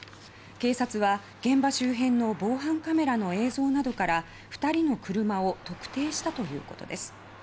警察は現場周辺の防犯カメラの映像などから２人の車を特定したということです。